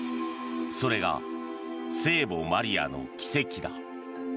それが聖母マリアの奇跡だ。